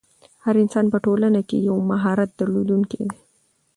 هر انسان په ټولنه کښي د یو مهارت درلودونکی دئ.